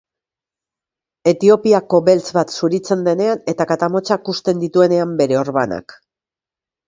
Etiopiako beltz bat zuritzen denean, eta katamotzak uzten dituenean bere orbanak.